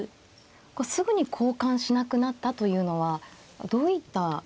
こうすぐに交換しなくなったというのはどういった。